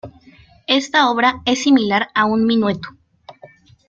Esta obra es similar a un minueto.